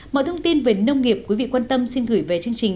mọi thông tin về nông nghiệp quý vị quan tâm xin gửi về chương trình